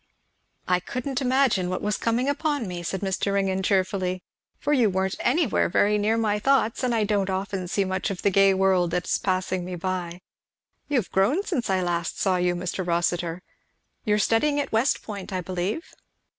"I couldn't imagine what was coming upon me," said Mr. Ringgan, cheerfully, "for you weren't anywhere very near my thoughts; and I don't often see much of the gay world that is passing by me. You have grown since I saw you last, Mr. Rossitur. You are studying at West Point, I believe."